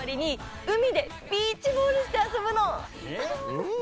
うん。